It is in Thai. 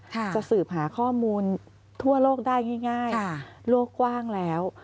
จะสืบหาข้อมูลทั่วโลกได้ง่ายโลกกว้างแล้ว